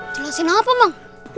jelasin apa mak